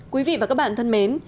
quý vị và các bạn thân mến